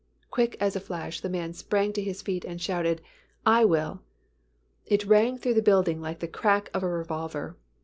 Quick as a flash the man sprang to his feet and shouted, "I will." It rang through the building like the crack of a revolver.